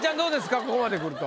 ここまで来ると。